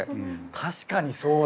確かにそうだ。